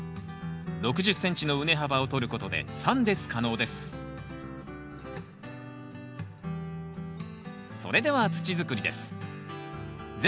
６０ｃｍの畝幅をとることで３列可能ですそれでは土づくりです。